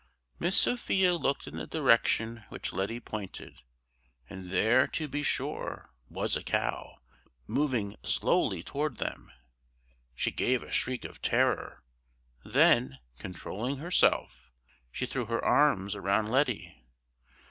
Miss Sophia looked in the direction which Letty pointed, and there, to be sure, was a cow, moving slowly toward them. She gave a shriek of terror; then, controlling herself, she threw her arms around Letty.